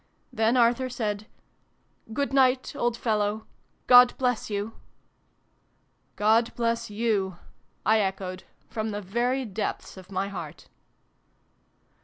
Then Arthur said "Good night, old fellow ! God bless you !"" God bless you !" I echoed, from the very depths of my heart.